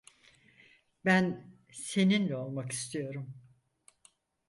Ben seninle olmak istiyorum.